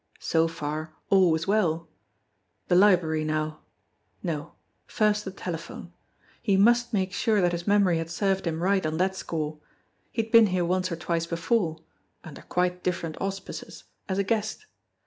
So far, all was well ! The library now no, first, the tele phone ! He must make sure that his memory had served him right on that score. He had been here once or twice before under quite different auspices ! as a guest.